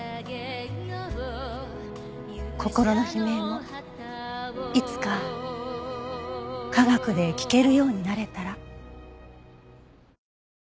心の悲鳴もいつか科学で聞けるようになれたら。